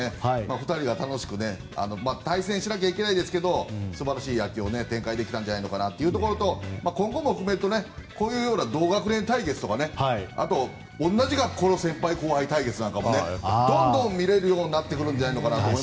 ２人が楽しく対戦しなきゃいけないですけど素晴らしい野球を展開できたんじゃないかというところと今後も含めるとこういうような同学年対決とかあと、同じ学校の先輩後輩対決なんかもどんどん見れるようになってくるんじゃないかと。